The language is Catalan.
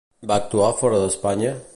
Va actuar fora d'Espanya?